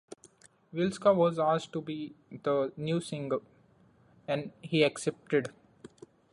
Wilska was asked to be the new singer, and he accepted.